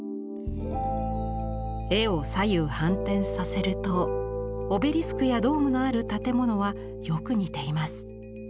絵を左右反転させるとオベリスクやドームのある建物はよく似ています。